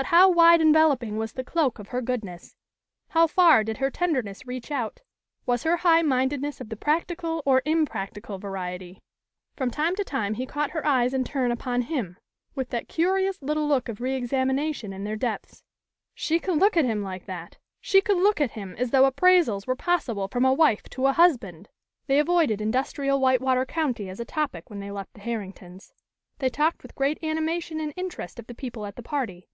But how wide enveloping was the cloak of her goodness? How far did her tenderness reach out? Was her high mindedness of the practical or impractical variety? From time to time, he caught her eyes in turn upon him, with that curious little look of re examination in their depths. She could look at him like that! She could look at him as though appraisals were possible from a wife to a husband! They avoided industrial Whitewater County as a topic when they left the Herrington's. They talked with great animation and interest of the people at the party.